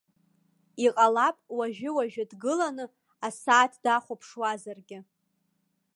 Иҟалап уажәы-уажәы дгылан асааҭ дахәаԥшуазаргьы.